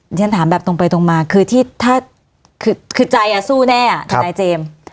ฉันถามแบบตรงไปตรงมาคือที่ถ้าคือคือใจอ่ะสู้แน่อ่ะครับ